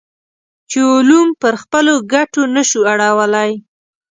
چې علوم پر خپلو ګټو نه شو اړولی.